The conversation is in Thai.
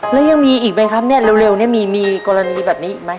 แล้วยังมีอีกมั้ยครับเนี่ยเร็วเร็วเนี่ยมีมีกรณีแบบนี้มั้ย